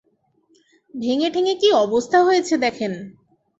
ভেঙে-টেঙে কী অবস্থা হয়েছে দেখেন!